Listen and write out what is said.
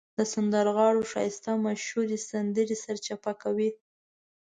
د سندرغاړو ښایسته مشهورې سندرې سرچپه کوي.